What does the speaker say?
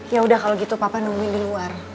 ya udah kalau gitu papa nungguin di luar